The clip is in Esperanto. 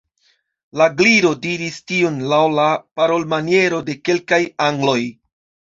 La Gliro diris tion laŭ la parolmaniero de kelkaj angloj.